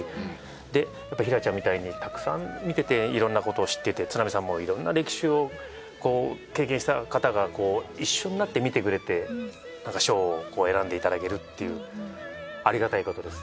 でやっぱ平ちゃんみたいにたくさん見てていろんなことを知ってて都並さんもいろんな歴史を経験した方が一緒になって見てくれてなんか賞を選んでいただけるっていうありがたいことです。